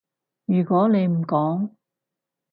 如果你唔講